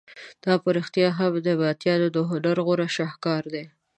دا په رښتیا هم د نبطیانو د هنر غوره شهکار دی.